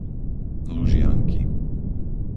Lužianky